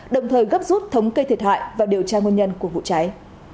đồng thời gấp rút thống kê thiệt hại và điều tra nguồn nhân của vụ cháy